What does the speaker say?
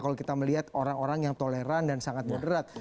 kalau kita melihat orang orang yang toleran dan sangat moderat